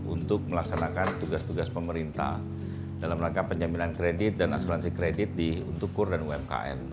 untuk melaksanakan tugas tugas pemerintah dalam rangka penjaminan kredit dan asuransi kredit untuk kur dan umkm